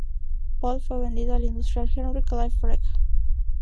Paul fue vendido al industrial Henry Clay Frick.